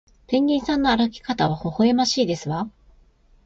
ペンギンさんの歩き方はほほえましいですわ